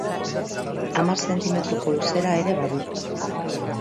Hamar zentimetroko luzera ere badu.